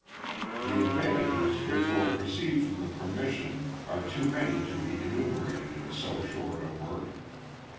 The advantages which will proceed from the permission, are too many to be enumerated in so short a Work.